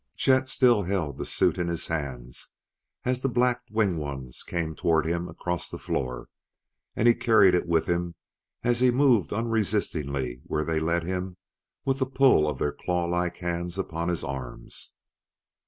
Chet still held the suit in his hands as the black winged ones came toward him across the floor, and he carried it with him as he moved unresistingly where they led him with the pull of their claw like hands upon his arms.